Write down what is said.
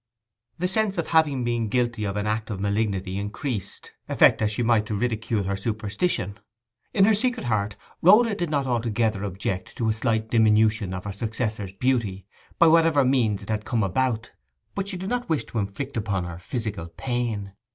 The sense of having been guilty of an act of malignity increased, affect as she might to ridicule her superstition. In her secret heart Rhoda did not altogether object to a slight diminution of her successor's beauty, by whatever means it had come about; but she did not wish to inflict upon her physical pain.